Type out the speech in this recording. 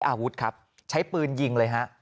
อาวุธครับใช้ปืนยิงเลยฮะ